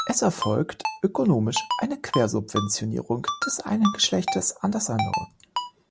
Es erfolgt ökonomisch eine Quersubventionierung des einen Geschlechtes an das andere.